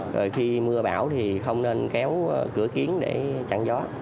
rồi khi mưa bão thì không nên kéo cửa kiến để chặn gió